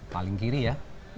paling kiri ya